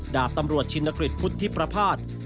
ดาบตำรวจชินกฤษพุทธิประพาท